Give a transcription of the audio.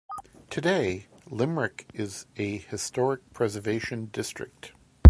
Today, Limerick is a historic preservation district.